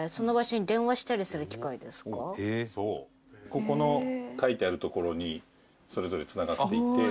ここの書いてある所にそれぞれ繋がっていて。